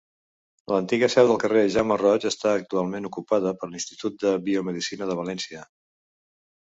L'antiga seu del carrer Jaume Roig està actualment ocupada per l'Institut de Biomedicina de València.